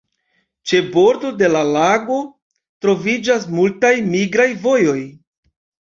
Ĉe bordo de la lago troviĝas multaj migraj vojoj.